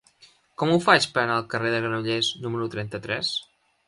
Com ho faig per anar al carrer de Granollers número trenta-tres?